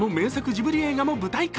ジブリ映画も舞台化。